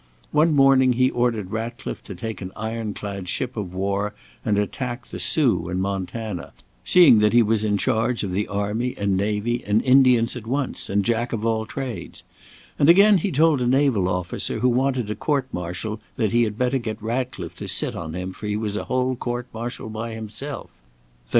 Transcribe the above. One morning he ordered Ratcliffe to take an iron clad ship of war and attack the Sioux in Montana, seeing that he was in charge of the army and navy and Indians at once, and Jack of all trades; and again he told a naval officer who wanted a court martial that he had better get Ratcliffe to sit on him for he was a whole court martial by himself.